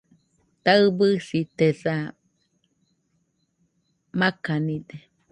Taɨbɨsitesa , makanide